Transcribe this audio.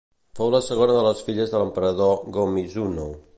Fou la segona de les filles de l'emperador Go-Mizunoo.